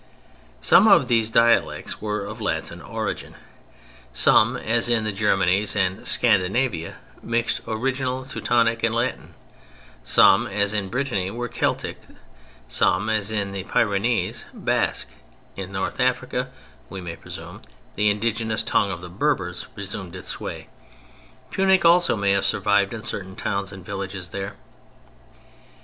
Some of these dialects were of Latin origin, some as in the Germanies and Scandinavia, mixed original Teutonic and Latin; some, as in Brittany, were Celtic; some, as in the eastern Pyrenees, Basque; in North Africa, we may presume, the indigenous tongue of the Berbers resumed its sway; Punic also may have survived in certain towns and villages there.